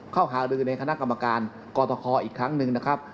เข้าฮาลืในฯคณะกรรมการกขอีกครั้งนึงนะครับ